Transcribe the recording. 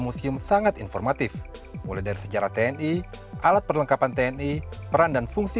museum sangat informatif mulai dari sejarah tni alat perlengkapan tni peran dan fungsi